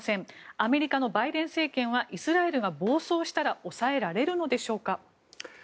アメリカのバイデン政権はイスラエルが暴走したら抑えられるのでしょうか？